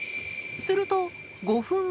すると５分後。